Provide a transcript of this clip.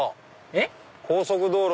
えっ？